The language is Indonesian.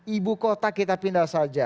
ibu kota kita pindah saja